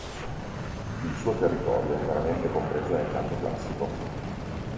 Il suo territorio è interamente compreso nel Chianti Classico.